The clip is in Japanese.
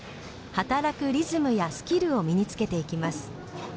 働くリズムやスキルを身につけていきます。